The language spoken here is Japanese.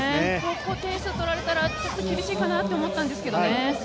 ここ、取られたら厳しいかなと思ったんですけどね。